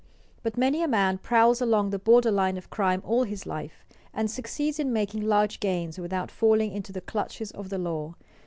But many a man prowls along the border line of crime all his life and succeeds in making large gains without falling into the clutches of the law.